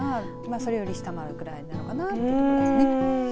それより下回るぐらいなのかなと思いますね。